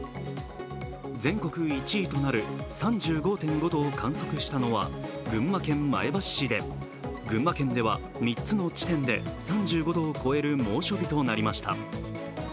全国１位となる３５．５度を観測したのは、群馬県前橋市で、群馬県では３つの地点で３５度を超える猛暑日となりました。